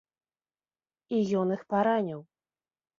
І ён іх параніў.